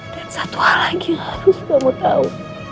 dan satu hal lagi harus kamu tahu